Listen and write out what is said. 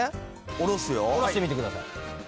下ろしてみてください。